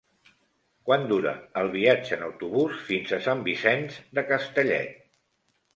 Quant dura el viatge en autobús fins a Sant Vicenç de Castellet?